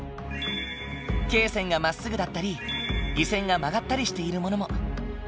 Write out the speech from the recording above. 経線がまっすぐだったり緯線が曲がったりしているものも。